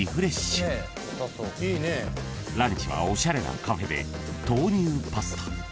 ［ランチはおしゃれなカフェで豆乳パスタ］